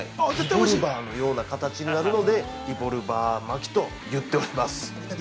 リボルバーのような形になるのでリボルバー巻きと言っております。